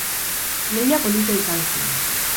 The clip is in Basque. Lehia polita izan zen.